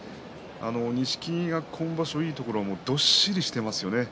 錦木の今場所いいところはどっしりしていますよね。